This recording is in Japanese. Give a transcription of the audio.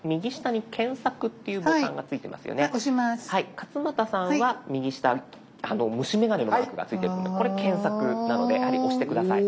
勝俣さんは右下虫眼鏡のマークがついているのでこれ検索なのでやはり押して下さい。